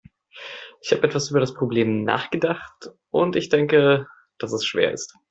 Ich habe etwas über das Problem nachgedacht und denke, dass es schwer ist.